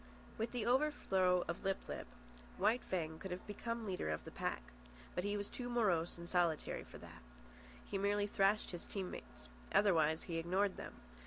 With the overthrow of Lip lip, White Fang could have become leader of the pack. But he was too morose and solitary for that. He merely thrashed his team mates. Otherwise he ignored them.